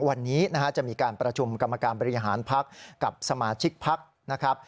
วันนี้นะฮะจะมีการประชุมกรรมการบริหารพักกับสมาชิกพักนะครับ